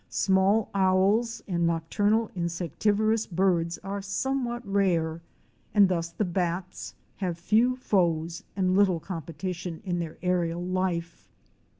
Small Owls and nocturnal insectivorous birds are somewhat rare, and thus the bats have few foes and little competition in their aérial life.